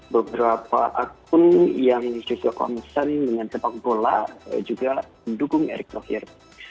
beberapa akun yang juga konsen dengan sepak bola juga mendukung eric thauhir